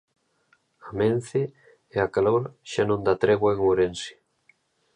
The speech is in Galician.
Amence e a calor xa non dá tregua en Ourense.